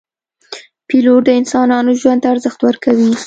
پیلوټ د انسانانو ژوند ته ارزښت ورکوي.